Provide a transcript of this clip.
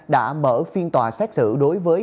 đã mở phiên tòa xét xử đối với